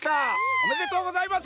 おめでとうございます！